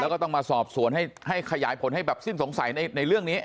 อาการสอบส่วนให้ไขยายผลให้แบบสิ้นสงสัยในเรื่องนี้